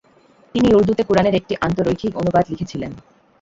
তিনি উর্দুতে কুরআনের একটি আন্তঃরৈখিক অনুবাদ লিখেছিলেন।